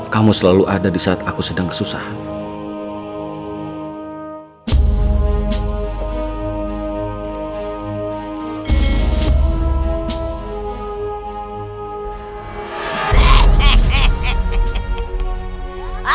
kamu selalu ada disaat aku sedang kesusahan